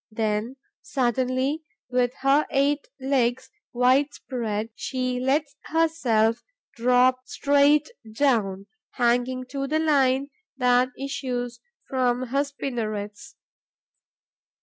Then, suddenly, with her eight legs wide spread, she lets herself drop straight down, hanging to the line that issues from her spinnerets.